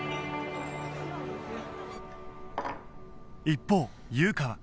一方優香は